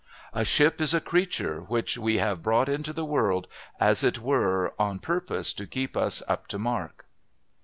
"A ship is a creature which we have brought into the world, as it were on purpose to keep us up to mark."